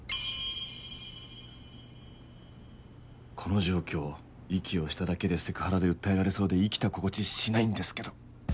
この状況息をしただけでセクハラで訴えられそうで生きた心地しないんですけど